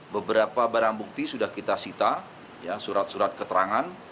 beberapa barang bukti sudah kita sita surat surat keterangan